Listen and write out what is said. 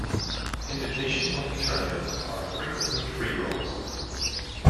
Invitation-only tournaments are frequently freerolls.